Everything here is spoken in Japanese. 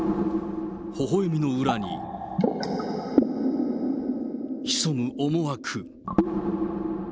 ほほえみの裏にひそむ思惑。